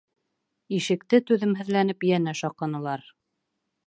Ишекте түҙемһеҙләнеп йәнә шаҡынылар.